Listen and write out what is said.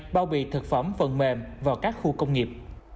bao bì thực phẩm phần mềm vào các khu công nghiệp